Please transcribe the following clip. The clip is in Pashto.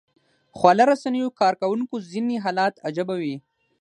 خواله رسنیو کاروونکو ځینې حالات عجيبه وي